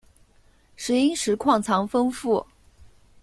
石英石矿藏丰富。